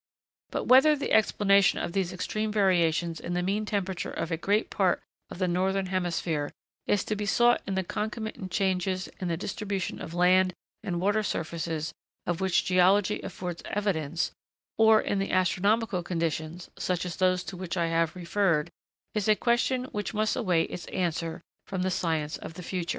But, whether the explanation of these extreme variations in the mean temperature of a great part of the northern hemisphere is to be sought in the concomitant changes in the distribution of land and water surfaces of which geology affords evidence, or in astronomical conditions, such as those to which I have referred, is a question which must await its answer from the science of the future.